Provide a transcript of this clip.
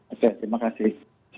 oke terima kasih